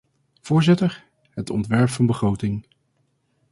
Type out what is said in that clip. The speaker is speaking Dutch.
Voorzitter, het ontwerp van begroting.